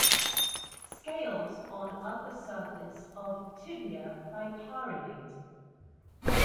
Scales on upper surface of tibia bicarinate.